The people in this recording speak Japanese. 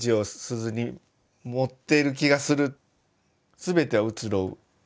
全ては移ろう。